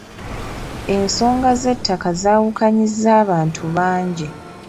Ensonga z'ettaka zaawukanyizza abantu bangi.